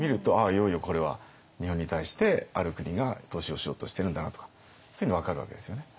いよいよこれは日本に対してある国が投資をしようとしてるんだなとかそういうの分かるわけですよね。